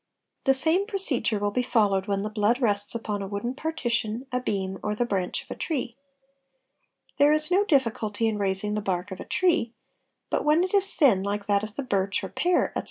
The same procedure will be followed when the blood rests upon a wooden partition, a beam, or the branch of a tree. There 14s no difficulty in raising the bark of a tree, but when it is thin like that of the birch, or pear, etc.